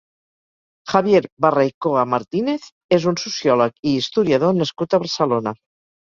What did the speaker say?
Javier Barraycoa Martínez és un sociòleg i historiador nascut a Barcelona.